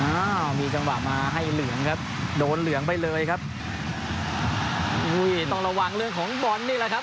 อ้าวมีจังหวะมาให้เหลืองครับโดนเหลืองไปเลยครับอุ้ยต้องระวังเรื่องของบอลนี่แหละครับ